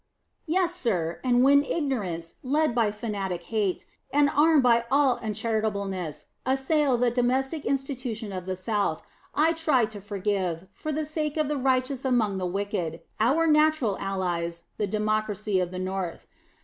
Yes, sir, and when ignorance, led by fanatic hate, and armed by all uncharitableness, assails a domestic institution of the South, I try to forgive, for the sake of the righteous among the wicked our natural allies, the Democracy of the North.